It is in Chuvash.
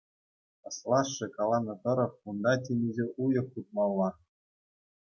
Аслашшӗ каланӑ тӑрӑх, унта темиҫе уйӑх утмалла.